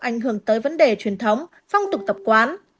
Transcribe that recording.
ảnh hưởng tới vấn đề truyền thống phong tục tập quán